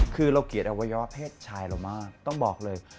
คือเราเกลียดอวัยวะเพศชายเรามากต้องบอกเลย